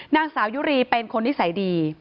นางสาวยุรีเป็นคนนิสัยดี